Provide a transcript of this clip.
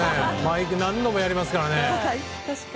何度もやりますからね。